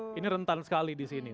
jadi ini rentan sekali disini